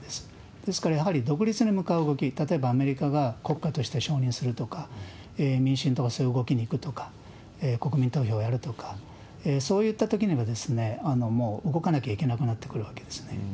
ですからやはり、独立に向かう動き、例えばアメリカが国家として承認するとか、民進党がそういう動きにいくとか、国民投票をやるとか、そういったときには、もう動かなきゃいけなくなってくるわけですね。